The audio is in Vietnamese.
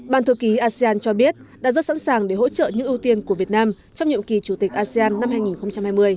bàn thư ký asean cho biết đã rất sẵn sàng để hỗ trợ những ưu tiên của việt nam trong nhiệm kỳ chủ tịch asean năm hai nghìn hai mươi